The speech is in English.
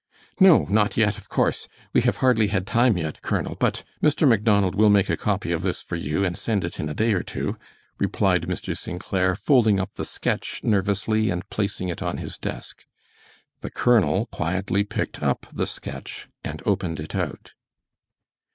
"No, not yet, of course. We have hardly had time yet, Colonel, but Mr. Macdonald will make a copy of this for you and send it in a day or two," replied Mr. St. Clair, folding up the sketch, nervously, and placing it on his desk. The colonel quietly picked up the sketch and opened it out.